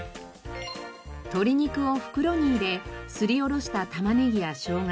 鶏肉を袋に入れすりおろした玉ねぎやしょうが